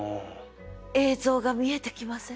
映像が見えてきません？